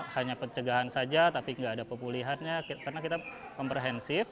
hanya pencegahan saja tapi nggak ada pemulihannya karena kita komprehensif